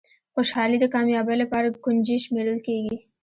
خوشالي د کامیابۍ لپاره کونجي شمېرل کېږي.